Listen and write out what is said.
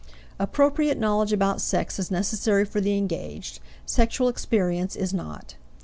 Appropriate knowledge about sex is necessary for the engaged. Sexual experience is not.